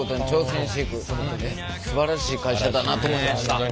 すばらしい会社だなと思いました。